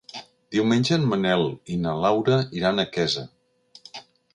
Diumenge en Manel i na Laura iran a Quesa.